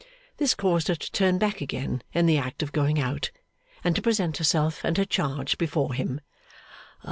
This caused her to turn back again in the act of going out, and to present herself and her charge before him.